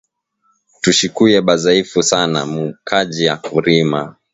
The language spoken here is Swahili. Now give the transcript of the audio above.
Tushikuye bazaifu sana mu kaji yaku rima